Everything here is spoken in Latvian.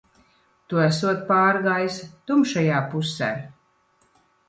Tu esot pārgājis tumšajā pusē.